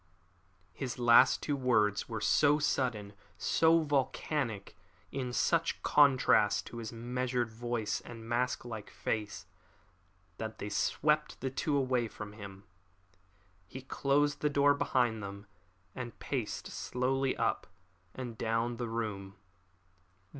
His last two words were so sudden, so volcanic, in such contrast to his measured voice and mask like face, that they swept the two away from him. He closed the door behind them and paced slowly up and down the room.